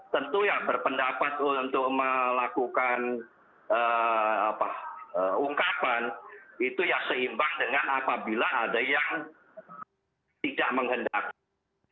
tentu ya berpendapat untuk melakukan ungkapan itu ya seimbang dengan apabila ada yang tidak menghendaki